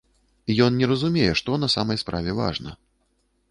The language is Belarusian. Ён не разумее, што на самай справе важна.